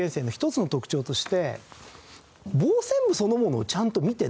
一つの特徴として。